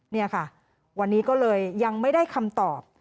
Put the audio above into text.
นี่ค่ะวันนี้ก็เลยยังไม่ได้คำตอบ